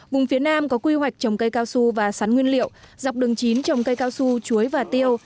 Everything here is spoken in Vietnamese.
vùng phía nam có quy hoạch trồng cây cao su và sắn nguyên liệu dọc đường chín trồng cây cao su chuối và tiêu